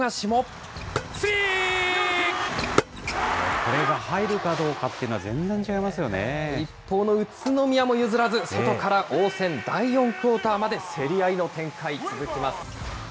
これが入るかどうかっていう一方の宇都宮も譲らず外から応戦、第４クオーターまで競り合いの展開続きます。